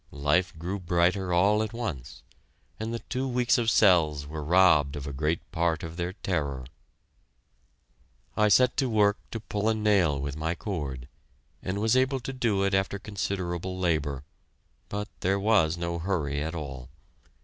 Life grew brighter all at once, and the two weeks of "cells" were robbed of a great part of their terror. I set to work to pull a nail with my cord, and was able to do it after considerable labor, but there was no hurry at all.